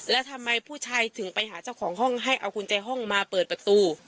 แล้วทำไมผู้ชายถึงไปหาเจ้าของห้องให้เอากุญแจห้องมาเปิดประตู